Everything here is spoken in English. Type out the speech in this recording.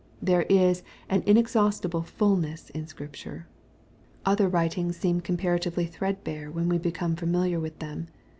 There is an inexhaustible ful ness in Scripture, Other writings seem comparatively threadbare when we become familiar with them.